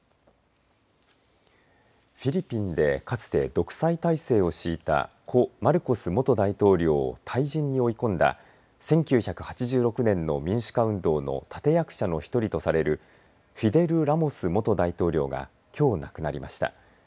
フィリピンでかつて独裁体制を敷いた故マルコス大統領を退陣に追い込んだ１９８６年の民主化運動の立て役者のひとりとされるフィデル・ラモス元大統領がきょう亡くなりました。